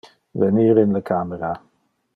Venir in le camera.